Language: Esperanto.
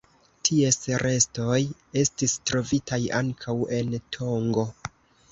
Ties restoj estis trovitaj ankaŭ en Tongo.